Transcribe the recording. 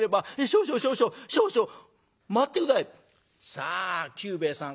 さあ久兵衛さん